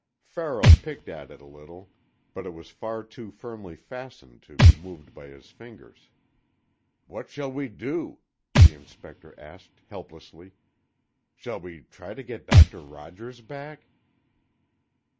Farrell picked at it a little, but it was far too firmly fastened to be moved by his fingers. "What shall we do?" the Inspector asked, helplessly. "Shall we try to get Doctor Rogers back?"